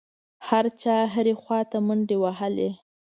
هر چا هرې خوا ته منډې وهلې.